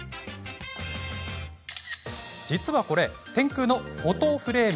実はこれ、天空のフォトフレーム。